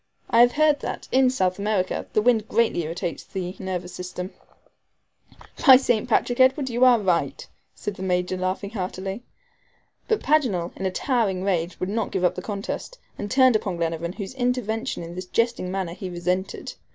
I have heard that, in South America, the wind greatly irritates the nervous system." "By St. Patrick, Edward you are right," said the Major, laughing heartily. But Paganel, in a towering rage, would not give up the contest, and turned upon Glenarvan, whose intervention in this jesting manner he resented.